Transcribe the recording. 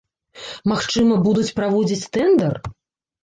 Магчыма, будуць праводзіць тэндар?